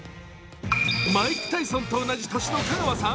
マイク・タイソンと同じ年の香川さん。